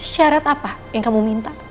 syarat apa yang kamu minta